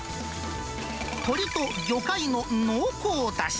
鶏と魚介の濃厚だし。